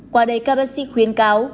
qua đây các bác sĩ khuyên cáo